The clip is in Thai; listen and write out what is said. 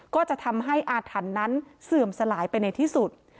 ก็จะทำให้อาถรรพ์นั้นเสื่อมสลายไปในที่สุด